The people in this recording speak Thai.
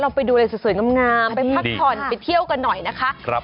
ไปดูอะไรสวยงามไปพักผ่อนไปเที่ยวกันหน่อยนะคะ